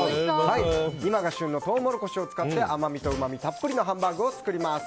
今が旬のトウモロコシを使って甘みとうまみたっぷりのハンバーグを作ります。